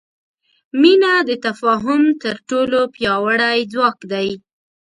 مینه د تفاهم تر ټولو پیاوړی ځواک دی.